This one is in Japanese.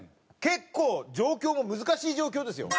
結構状況も難しい状況ですよ。